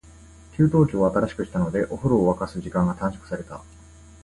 給湯器を新しくしたので、お風呂を沸かす時間が短縮された。